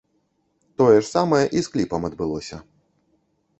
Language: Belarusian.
Тое ж самае і з кліпам адбылося.